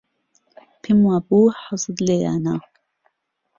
پێم وابوو حەزت لێیانە.